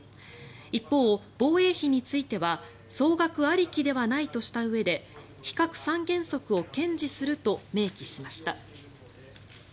一方、防衛費については総額ありきではないとしたうえで非核三原則を堅持すると明記しました。